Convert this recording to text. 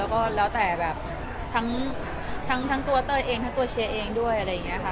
ก็แล้วแต่แบบทั้งตัวเต้ยเองทั้งตัวเชียร์เองด้วยอะไรอย่างนี้ค่ะ